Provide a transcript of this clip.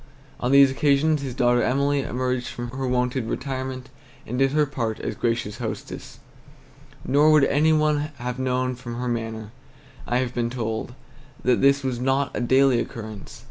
On these occasions his daughter Emily emerged from her wonted retirement and did her part as gracious hostess; nor would any one have known from her manner, I have been told, that this was not a daily occurrence.